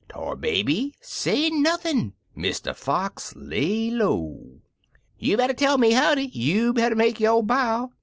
Tar Baby say nothin' — Mr. Fox lay lowl "You better tell me howdy! you better make yo" bow!